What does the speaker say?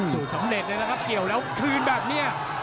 สำเร็จเลยนะครับเกี่ยวแล้วคืนแบบนี้